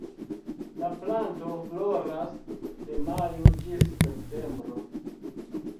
La planto floras de majo ĝis septembro.